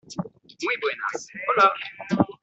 muy buenas. hola .